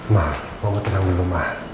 ma mau gue tenang dulu ma